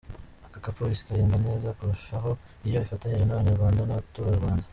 Akazi ka Polisi kagenda neza kurushaho iyo ifatanyije n’Abanyarwanda n’Abaturarwanda.